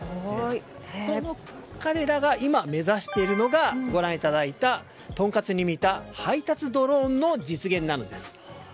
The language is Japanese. その彼らが今目指しているのがご覧いただいた配達ドローンの撮影なんです。